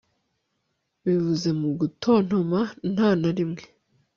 bivuze mu gutontoma nta na rimwe